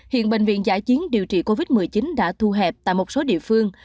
hiện bệnh viện giải chiến điều trị covid một mươi chín đã thu hẹp tại một số địa phương